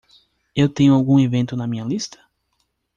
Eu tenho algum evento na minha lista?